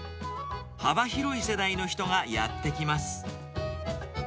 幅広い世代の人がやって来ます。